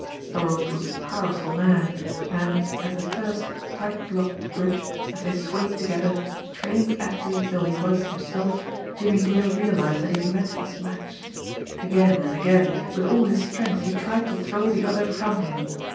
Thorold was a powerful man; and at the first tight locked grip, as they swayed together, trained athlete though he was himself, Jimmie Dale realised that he had met his match. Again and again, with all his strength he tried to throw the other from him.